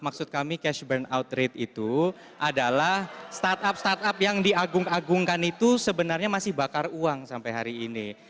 maksud kami cash burnout rate itu adalah startup startup yang diagung agungkan itu sebenarnya masih bakar uang sampai hari ini